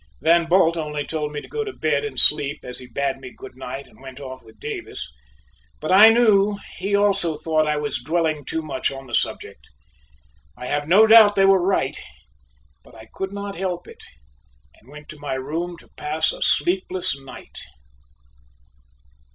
Van Bult only told me to go to bed and sleep as he bade me good night and went off with Davis, but I knew he also thought I was dwelling too much on the subject. I have no doubt they were right, but I could not help it and went to my room to pass a sleepless night.